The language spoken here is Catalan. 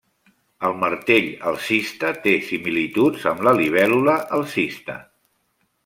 El martell alcista té similituds amb la Libèl·lula alcista.